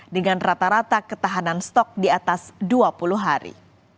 dengan rata rata ketahanan stok di atas dua puluh hari